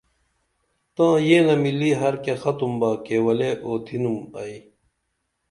تاں یینمِلی ہر کیہ ختم با کیولے اُتِھنُم ائی